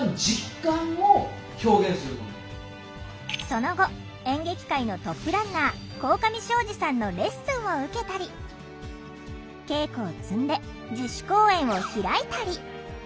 その後演劇界のトップランナー鴻上尚史さんのレッスンを受けたり稽古を積んで自主公演を開いたり。